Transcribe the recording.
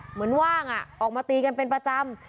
เหมือนว่างออกมาตีกันเป็นประจำ